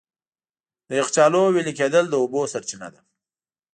د یخچالونو وېلې کېدل د اوبو سرچینه ده.